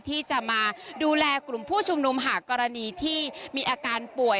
ที่จะมาดูแลกลุ่มผู้ชุมนุมหากกรณีที่มีอาการป่วย